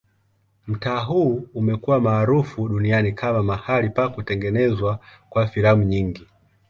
Mtaa huu umekuwa maarufu duniani kama mahali pa kutengenezwa kwa filamu nyingi.